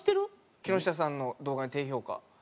木下さんの動画に「低評価」。